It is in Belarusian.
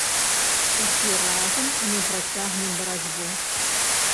Усе разам, мы працягнем барацьбу.